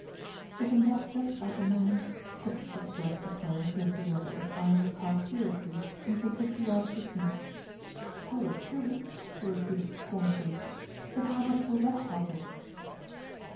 " Isn't that just like a man ?" Patricia ad dressed the query to a deer that was eyeing the car curiously from some fifty yards distance. " Tell the truth," she repeated scornfully. " But how much will that help us